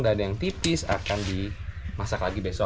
dan yang tipis akan dimasak lagi besarnya